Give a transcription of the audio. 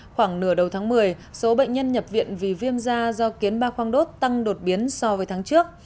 khoảng nửa đầu tháng một mươi số bệnh nhân nhập viện vì viêm da do kiến ba khoang đốt tăng đột biến so với tháng trước